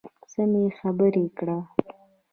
سمې خبرې کړه .